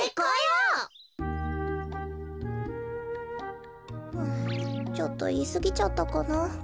はぁちょっといいすぎちゃったかな。